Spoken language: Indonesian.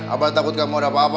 apa takut kamu ada apa apa